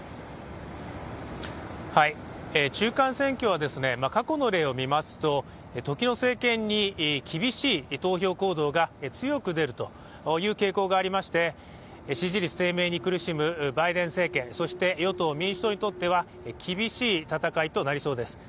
中間選挙は過去の例を見ますと時の政権に厳しい投票行動が強く出るという傾向がありまして支持率低迷に苦しむバイデン政権、そして与党・民主党にとっては厳しい戦いとなりそうです。